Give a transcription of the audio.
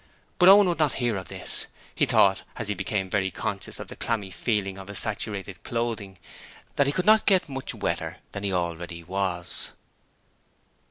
But Owen would not hear of this: he thought, as he became very conscious of the clammy feel of his saturated clothing, that he could not get much wetter than he already was.